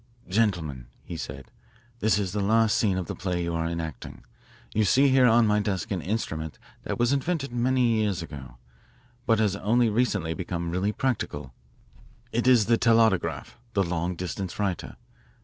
Gentlemen," he said, " this is the last scene of the play you are enacting. You see here on the desk an instrument that was invented many years ago, but has only recently become really practical. It is the telautograph the long distance writer.